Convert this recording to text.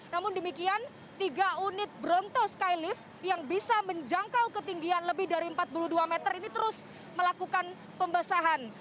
namun demikian tiga unit bronto skylift yang bisa menjangkau ketinggian lebih dari empat puluh dua meter ini terus melakukan pembesahan